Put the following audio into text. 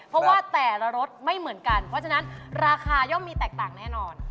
เพราะว่าแต่ละรสไม่เหมือนกันเพราะฉะนั้นราคาย่อมมีแตกต่างแน่นอน